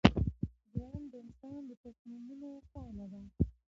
ژوند د انسان د تصمیمونو پایله ده.